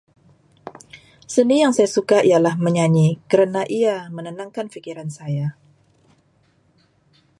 Seni yang saya suka ialah menyanyi kerana ia menenangkan fikiran saya.